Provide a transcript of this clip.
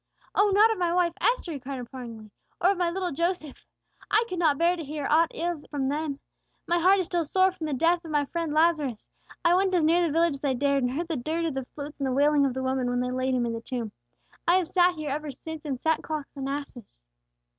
"Oh, not of my wife Esther," he cried, imploringly, "or of my little Joseph! I could not bear to hear aught of ill from them. My heart is still sore for the death of my friend Lazarus. I went as near the village as I dared, and heard the dirge of the flutes and the wailing of the women, when they laid him in the tomb. I have sat here ever since in sackcloth and ashes."